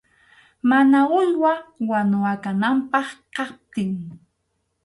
Mana uywa wanu akananpaq kaptin.